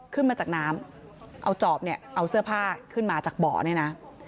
ขึ้นมาจากน้ำเอาจอบเนี่ยเอาเสื้อผ้าขึ้นมาจากบ่อเนี่ยนะ